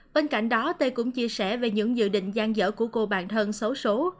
bên cạnh đó tê cũng chia sẻ về những dự định gian dở của cô bản thân xấu số